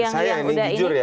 saya yang jujur ya